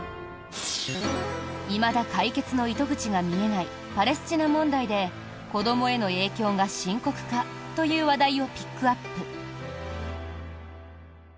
いまだ解決の糸口が見えないパレスチナ問題で子どもへの影響が深刻化という話題をピックアップ。